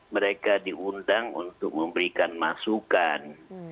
mereka diundang untuk memberikan masukan